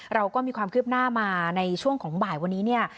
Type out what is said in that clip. เราก็มีความคืบหน้ามาในช่วงของบ่ายวันนี้เนี่ย